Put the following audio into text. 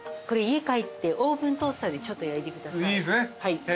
これ家帰ってオーブントースターでちょっと焼いてください。